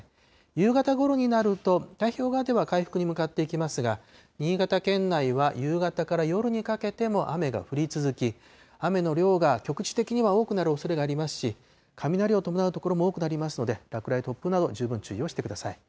夕方ごろになると、太平洋側では回復に向かっていきますが、新潟県内は夕方から夜にかけても雨が降り続き、雨の量が局地的には多くなるおそれがありますし、雷を伴う所も多くなりますので、落雷、突風など十分注意をしてください。